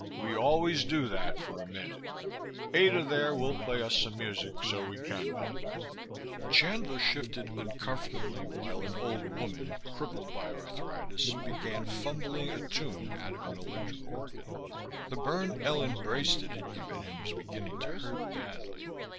"We always do that for a minute. Ada there will play us some music so we can ponder." Chandler shifted uncomfortably, while an old woman crippled by arthritis began fumbling a tune out of an electric organ. The burn Ellen Braisted had given him was beginning to hurt badly.